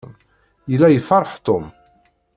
Yella yefṛeḥ Tom.